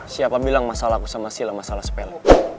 siapa bilang masalah aku sama sila masalah sepele